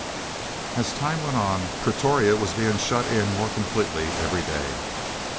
As time went on, Pretoria was being shut in more completely every day.